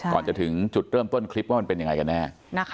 ก่อนจะถึงจุดเริ่มต้นคลิปว่ามันเป็นยังไงกันแน่